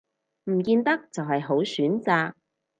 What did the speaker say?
唔見得就係好選擇